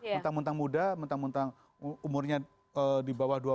mentang mentang muda mentang mentang umurnya di bawah dua puluh tahun